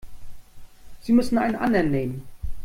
Sie müssen einen anderen nehmen.